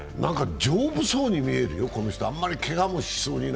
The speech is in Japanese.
丈夫そうにみえるよ、この人あまりけがもしなさそうで。